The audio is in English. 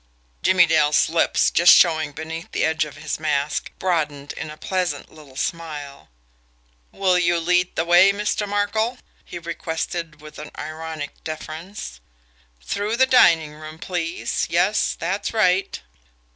Jimmie Dale's lips, just showing beneath the edge of his mask, broadened in a pleasant little smile. "Will you lead the way, Mr. Markel?" he requested, with ironic deference. "Through the dining room, please. Yes, that's right!"